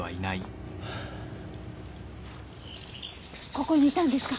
ここにいたんですか？